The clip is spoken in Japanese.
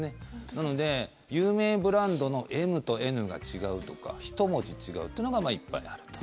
なので、有名ブランドのｍとｎが違うとか１文字違うというのがいっぱいあると。